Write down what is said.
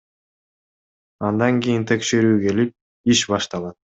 Андан кийин текшерүү келип, иш башталат.